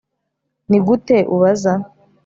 Nigute ubaza